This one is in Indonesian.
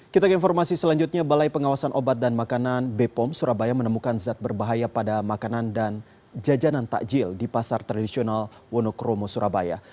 kita ke informasi selanjutnya balai pengawasan obat dan makanan bepom surabaya menemukan zat berbahaya pada makanan dan jajanan takjil di pasar tradisional wonokromo surabaya